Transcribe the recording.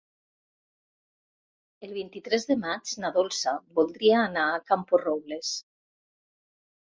El vint-i-tres de maig na Dolça voldria anar a Camporrobles.